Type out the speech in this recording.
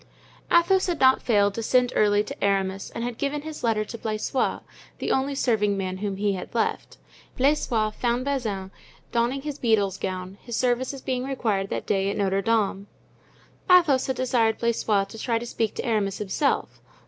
Athos had not failed to send early to Aramis and had given his letter to Blaisois, the only serving man whom he had left. Blaisois found Bazin donning his beadle's gown, his services being required that day at Notre Dame. Athos had desired Blaisois to try to speak to Aramis himself.